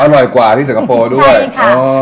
อร่อยกว่าที่สนับโปรด้วยใช่ค่ะ